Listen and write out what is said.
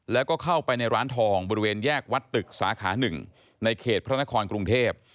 แล้วก็เข้าไปในร้านทองบริเวณแยกวัดตึกสาขา๑ในเขตพระนครกรุงเทพ